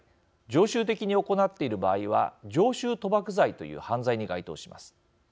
常習的に行っている場合は常習賭博罪という犯罪に該当します。